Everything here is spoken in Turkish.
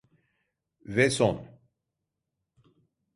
Ve son.